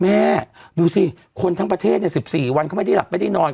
แม่ดูสิคนทั้งประเทศ๑๔วันเขาไม่ได้หลับไม่ได้นอน